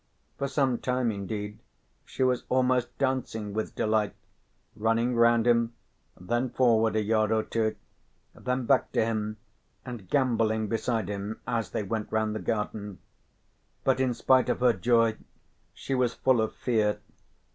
For some time indeed she was almost dancing with delight, running round him, then forward a yard or two, then back to him and gambolling beside him as they went round the garden. But in spite of her joy she was full of fear.